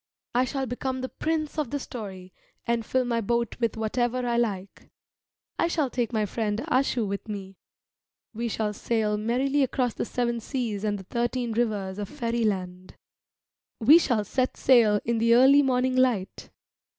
I shall become the prince of the story, and fill my boat with whatever I like. I shall take my friend Ashu with me. We shall sail merrily across the seven seas and the thirteen rivers of fairyland. We shall set sail in the early morning light.